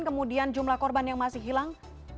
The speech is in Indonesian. kemudian jumlah korban yang masih hilang